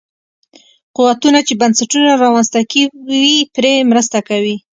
قوتونه چې بنسټونه رامنځته کوي پرې مرسته کوي.